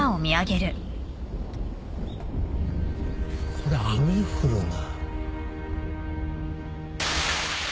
これ雨降るな。